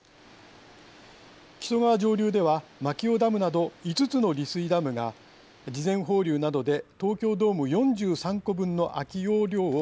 木曽川上流では牧尾ダムなど５つの利水ダムが事前放流などで東京ドーム４３個分の空き容量を確保。